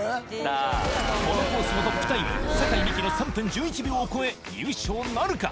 このコースのトップタイム酒井美紀の３．１１秒を超え優勝なるか？